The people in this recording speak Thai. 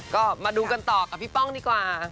ก็มาดูกันต่อกับพี่ป้องดีกว่า